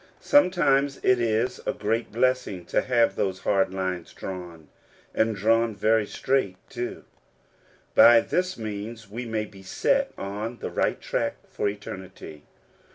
Sometimes it is a great blessing to have those hard lines drawn, and drawn very straight, too. By this means we may be set on the right track for eternity.